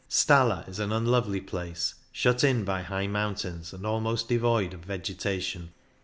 Stalla is an unlovely place, shut in by high mountains, and almost devoid of vegetation.